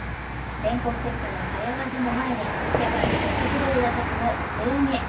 電光石火の早技の前に世界のトッププレーヤーたちもお手上げ。